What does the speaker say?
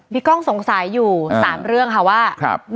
กล้องสงสัยอยู่๓เรื่องค่ะว่า